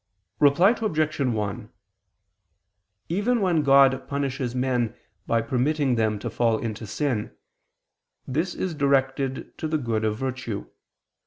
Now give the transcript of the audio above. Reply Obj. 1: Even when God punishes men by permitting them to fall into sin, this is directed to the good of virtue.